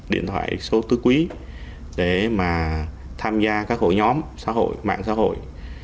điện thoại số tư quý để mà tham gia các hội nhóm xã hội mạng xã hội